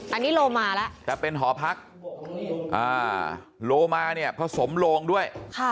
อันนี้โลมาแล้วแต่เป็นหอพักโลมาเนี่ยผสมโลงด้วย